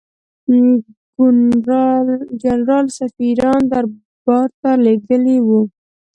ګورنرجنرال سفیران دربارته لېږلي وه.